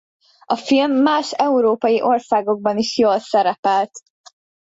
A film más európai országokban is jól szerepelt.